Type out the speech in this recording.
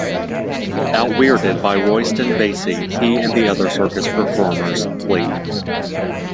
Out-weirded by Royston Vasey, he and the other circus performers flee.